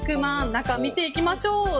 中を見ていきましょう。